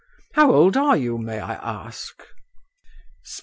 How old are you, may I ask?"